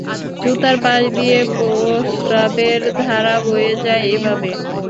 জুতার পাশ দিয়ে প্রসাবের ধারা বয়ে যায় এভাবে।